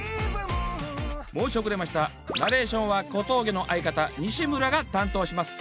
申し遅れましたナレーションは小峠の相方西村が担当します